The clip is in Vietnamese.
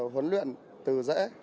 huấn luyện từ dễ